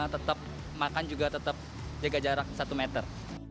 tetap makan juga tetap jaga jarak satu meter